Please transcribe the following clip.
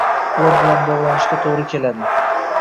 ular bilan bog‘lanishga to‘g‘ri keladi.